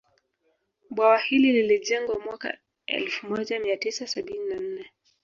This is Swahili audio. Bwawa hili lilijengwa mwaka elfu moja mia tisa sabini na nne